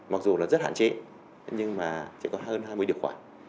mặc dù là rất hạn chế nhưng mà chỉ còn hơn hai mươi điều khoản